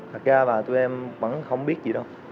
thật ra và tụi em vẫn không biết gì đâu